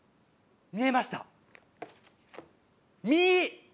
見えました。